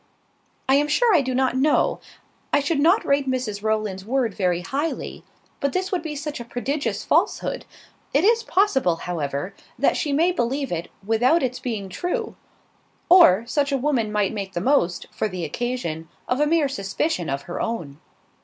"I am sure I do not know. I should not rate Mrs Rowland's word very highly: but this would be such a prodigious falsehood! It is possible, however, that she may believe it without its being true. Or, such a woman might make the most, for the occasion, of a mere suspicion of her own."